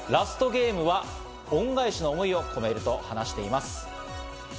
ゲームは恩返しの思いを込めると話しています。